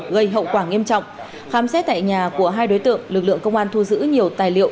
gây hậu quả nghiêm trọng khám xét tại nhà của hai đối tượng lực lượng công an thu giữ nhiều tài liệu